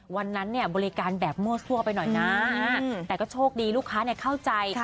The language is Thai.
วันนั้นเนี่ยบริการแบบมั่วซั่วไปหน่อยนะแต่ก็โชคดีลูกค้าเข้าใจ